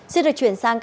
xin được chuyển sang